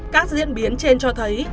các diễn biến trên cho thấy